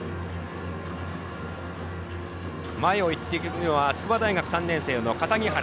前を行っているのは筑波大学３年生の樫原。